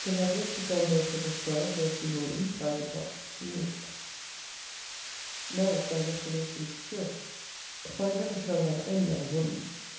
LOVELACE, TO JOHN BELFORD, ESQ. THURSDAY MORNING, FIVE O'CLOCK, (JUNE 8.) Now is my reformation secure; for I never shall love any other woman!